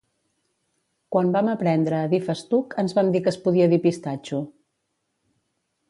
Quan vam aprendre a dir festuc ens van dir que es podia dir pistatxo